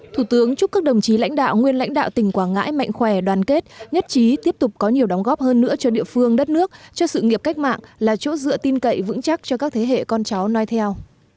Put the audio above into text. thủ tướng chúc các đồng chí lãnh đạo nguyên lãnh đạo tỉnh quảng ngãi mạnh khỏe đoàn kết nhất trí tiếp tục có nhiều đóng góp hơn nữa cho địa phương đất nước cho sự nghiệp cách mạng là chỗ dựa tin cậy vững chắc cho các thế hệ con cháu nói theo